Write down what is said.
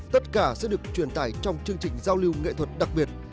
tất cả sẽ được truyền tải trong chương trình giao lưu nghệ thuật đặc biệt